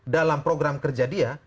dalam program kerja dia